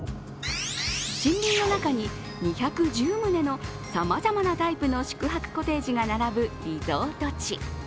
森林の中に２１０棟のさまざまなタイプの宿泊コテージが並ぶリゾート地。